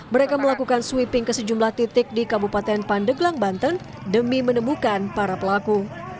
mereka melakukan sweeping ke sejumlah titik di kabupaten pandeglang banten demi menemukan para pelaku